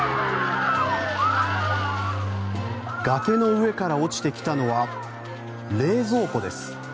崖の上から落ちてきたのは冷蔵庫です。